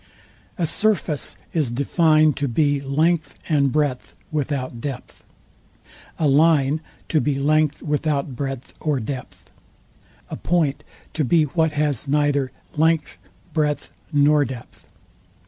A surface is DEFINed to be length and breadth without depth: A line to be length without breadth or depth: A point to be what has neither length, breadth nor depth.